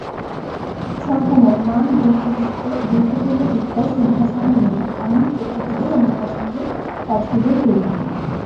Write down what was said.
সংখ্যা নয়, মান গুরুত্বপূর্ণবিদ্যা সিনহা সাহা মীমআমি প্রত্যেক ঈদেই আমার পছন্দের কাজগুলোই করি।